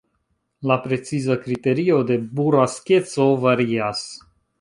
La preciza kriterio de buraskeco varias.